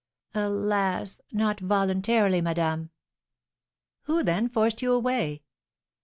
"Alas, not voluntarily, madame!" "Who, then, forced you away?"